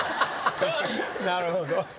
なるほど。